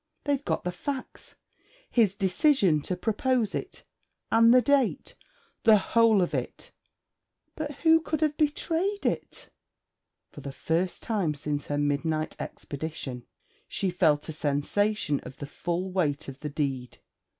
They've got the facts: his decision to propose it, and the date the whole of it! But who could have betrayed it?' For the first time since her midnight expedition she felt a sensation of the full weight of the deed.